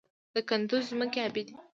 د کندز ځمکې ابي دي